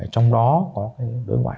trong đó có đối ngoại